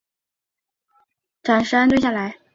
暂时安顿下来